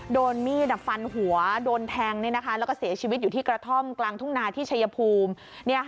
โดนมีดฟันหัวโดนแทงแล้วก็เสียชีวิตอยู่ที่กระท่อมกลางทุ่งนาที่ชัยภูมิ